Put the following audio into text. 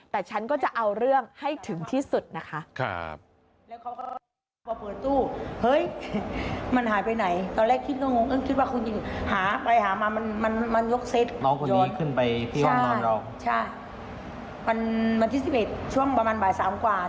แต่ฉันก็จะเอาเรื่องให้ถึงที่สุดนะคะ